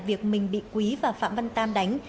việc mình bị quý và phạm văn tam đánh